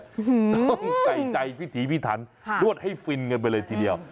ต้องใส่ใจพิถีพิถันนวดให้ฟินกันไปเลยทีเดียว